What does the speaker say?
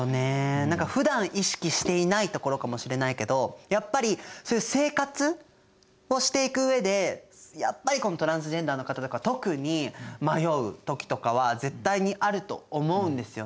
何かふだん意識していないところかもしれないけどやっぱりそういう生活をしていく上でやっぱりトランスジェンダーの方とか特に迷う時とかは絶対にあると思うんですよね。